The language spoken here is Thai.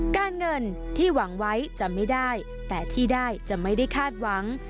การเงินที่หวังไว้จะไม่ได้แต่ที่ได้จะไม่ได้คาดหวัง